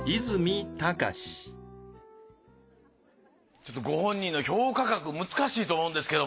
ちょっとご本人の評価額難しいと思うんですけど。